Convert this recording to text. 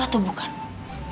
tau tipe gue bangun